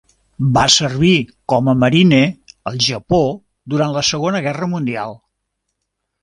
Va servir com a marine al Japó durant la Segona Guerra mundial.